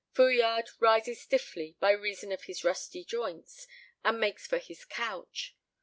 Fouillade rises stiffly, by reason of his rusty joints, and makes for his couch.